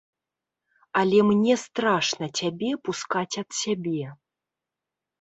Але мне страшна цябе пускаць ад сябе.